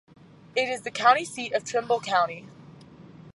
It is the county seat of Trimble County.